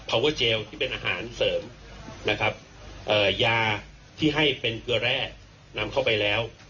เวอร์เจลที่เป็นอาหารเสริมนะครับเอ่อยาที่ให้เป็นเกลือแร่นำเข้าไปแล้ว